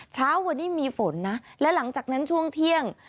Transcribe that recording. เช้าวันนี้มีฝนนะและหลังจากนั้นช่วงเที่ยง